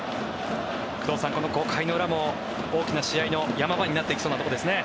工藤さん、この５回の裏も大きな試合の山場になってきそうなところですね。